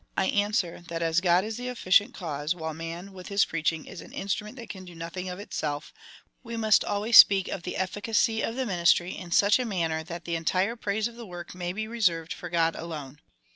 I answer, that as God is the efficient cause, while man, with his preaching, is an instrument that can do nothing of itself, we must always speak of the efficacy of the ministry in such a manner that the entire i^raise of the work may be reserved for God alone.